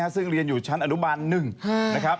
ซึ่งเรียนอยู่ชั้นอนุบาล๑นะครับ